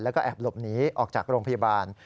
แล้วก็แอบหลบหนีออกจากโรงพยาบาล